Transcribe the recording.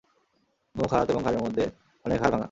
মুখ, হাত এবং ঘাড়ের মধ্যে অনেক হাড় ভাংগা।